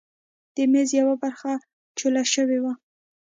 د میز یوه برخه چوله شوې وه.